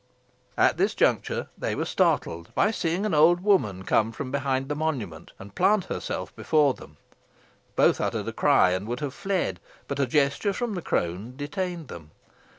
At this juncture they were startled, by seeing an old woman come from behind the monument and plant herself before them. Both uttered a cry, and would have fled, but a gesture from the crone detained them.